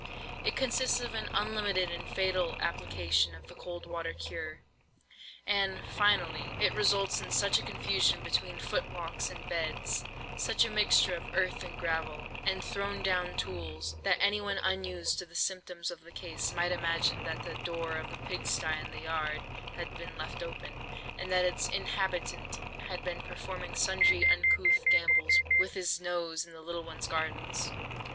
It consists of an unlimited and fatal application of the cold water cure. And, finally, it results in such a confusion between foot walks and beds—such a mixture of earth and gravel, and thrown down tools—that anyone unused to the symptoms of the case, might imagine that the door of the pigsty in the yard had been left open, and that its inhabitant had been performing sundry uncouth gambols with his nose in the little ones' gardens.